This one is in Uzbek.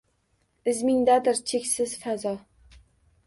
Izmingdadir cheksiz fazo